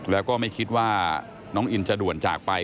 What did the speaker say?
แล้วก็ไม่คิดว่าน้องอินจะด่วนจากไป